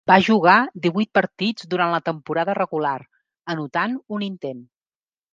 Va jugar divuit partits durant la temporada regular, anotant un intent.